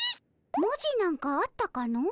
文字なんかあったかの？